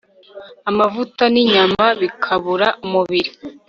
amavuta n'inyama bikabura umubiri